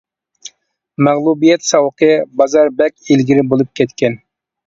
مەغلۇبىيەت ساۋىقى : بازار بەك ئىلگىرى بولۇپ كەتكەن.